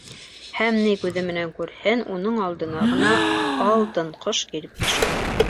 Һәм ни күҙе менән күрһен: уның алдына ғына Алтынҡош килеп төшкән.